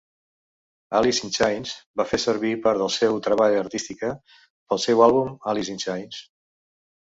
Alice in Chains va fer servir part del seu treball artística pel seu àlbum "Alice in Chains".